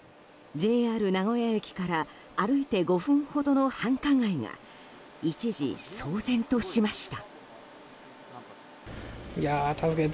ＪＲ名古屋駅から歩いて５分ほどの繁華街が一時、騒然としました。